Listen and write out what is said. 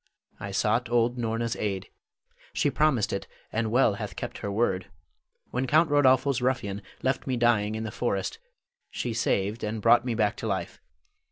I sought old Norna's aid. She promised it, and well hath kept her word. When Count Rodolpho's ruffian left me dying in the forest, she saved, and brought me back to life.